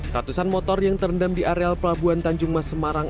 ratusan motor yang terendam di areal pelabuhan tanjung mas semarang